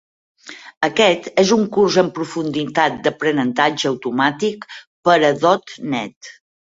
Aquest és un curs en profunditat d'aprenentatge automàtic per a Dot Net.